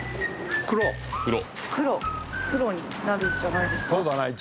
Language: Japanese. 黒になるんじゃないですか？